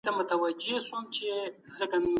نولي د سياستپوهني له پاره کوم پيژندونه وړاندي کړي دي؟